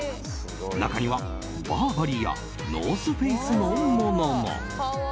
中にはバーバリーやノース・フェイスのものも。